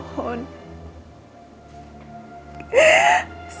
sebelum semuanya terlambat